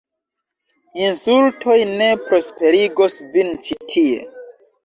Insultoj ne prosperigos vin ĉi tie!